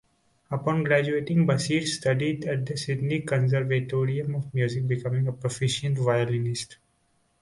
Upon graduating, Bashir studied at the Sydney Conservatorium of Music, becoming a proficient violinist.